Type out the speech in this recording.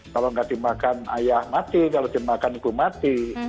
kalau nggak dimakan ayah mati kalau dimakan hukum mati